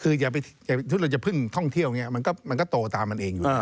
คือถ้าเราจะพึ่งท่องเที่ยวเนี่ยมันก็โตตามมันเองอยู่นะครับ